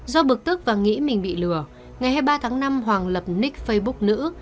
do bực tức và nghĩ mình bị lừa ngày hai mươi ba tháng năm hoàng lập nick facebook nữ